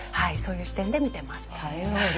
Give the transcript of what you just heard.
そういう視点で見てます。